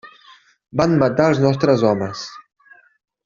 Van matar als nostres homes.